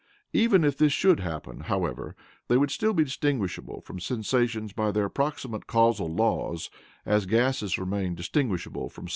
Even if this should happen, however, they would still be distinguishable from sensations by their proximate causal laws, as gases remain distinguishable from solids.